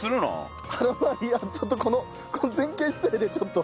腹はいやちょっとこのこの前傾姿勢でちょっと。